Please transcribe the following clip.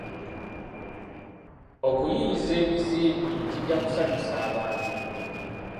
Okuyiiyiza ebizimbe kijja kusanyusa abantu.